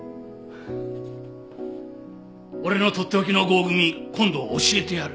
俺のとっておきの合組今度教えてやる。